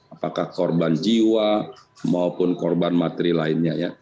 apakah korban jiwa maupun korban materi lainnya ya